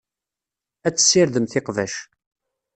Ad tessirdemt iqbac.